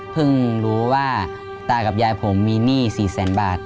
รู้ว่าตากับยายผมมีหนี้๔แสนบาท